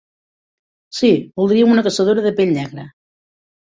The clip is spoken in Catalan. Sí, voldríem una caçadora de pell negra.